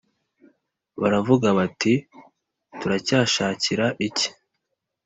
Baravuga bati turacyashakira iki